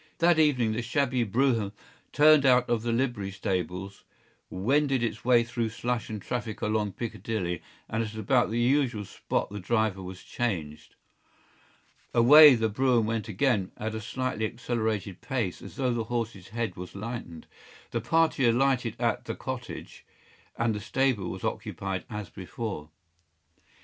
That evening the shabby brougham turned out of the livery stables, wended its way through slush and traffic along Piccadilly, and at about the usual spot the driver was changed. Away the brougham went again, at a slightly accelerated pace, as though the horse’s head was lightened. The party alighted at the cottage, and the stable was occupied as before.